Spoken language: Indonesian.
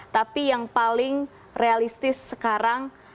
tapi yang paling realistis sekarang